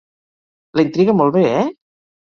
La intriga molt bé, eh?